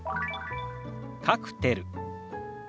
「カクテル」。